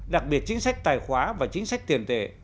đặc biệt chính sách tài khoá và chính sách tiền tệ